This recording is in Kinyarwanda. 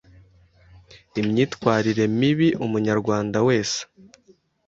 imyitwarire mibi Umunyarwanda wese